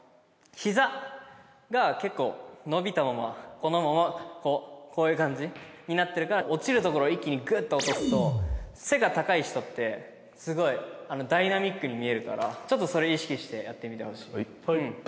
このままこうこういう感じになってるから落ちるところ一気にグッと落とすと背が高い人ってすごいダイナミックに見えるからちょっとそれ意識してやってみてほしい。